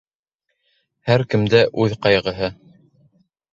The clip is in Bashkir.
Һәр кемдә үҙ ҡайғыһы